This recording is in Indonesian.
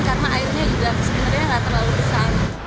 karena airnya juga sebenarnya nggak terlalu besar